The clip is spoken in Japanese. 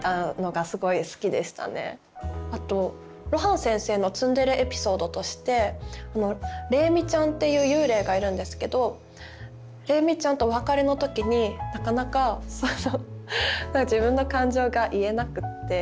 あと露伴先生のツンデレエピソードとして鈴美ちゃんっていう幽霊がいるんですけど鈴美ちゃんとお別れの時になかなか自分の感情が言えなくって。